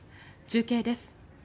中継です。